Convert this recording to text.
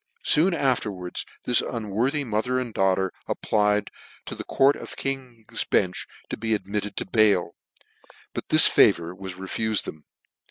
Soon afterwards this unworthy mother and daughter applied to the court of King's Bench, to DC admitted to bail ; but this favour was refufed them.